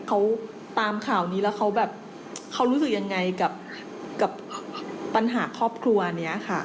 เขาตามข่าวนี้แล้วเขาแบบเขารู้สึกยังไงกับปัญหาครอบครัวนี้ค่ะ